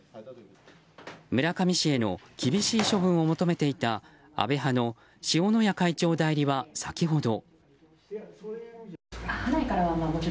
村上氏への厳しい処分を求めていた安倍派の塩谷会長代理は先ほど。